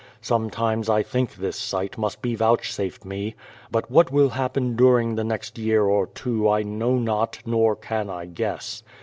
Sometimes I think this sight must be vouchsafed me. But what will happen during the next year or two I know not, nor can I guess.